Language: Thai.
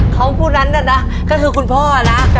เขาผู้นั้นน่ะนะก็คือคุณพ่อนะ